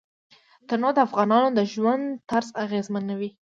تنوع د افغانانو د ژوند طرز اغېزمنوي.